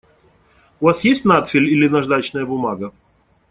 У вас есть надфиль или наждачная бумага?